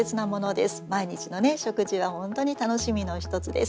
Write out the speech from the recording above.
毎日の食事は本当に楽しみの一つです。